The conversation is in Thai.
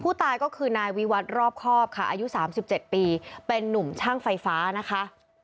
ผู้ตายก็คือนายวิวัตรรอบครอบค่ะอายุ๓๗ปีเป็นนุ่มช่างไฟฟ้านะคะ